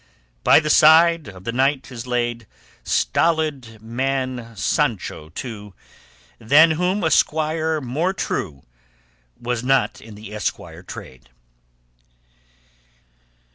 By the side of the knight is laid Stolid man Sancho too, Than whom a squire more true Was not in the esquire trade.